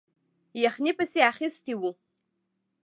یخنۍ پسې اخیستی وو.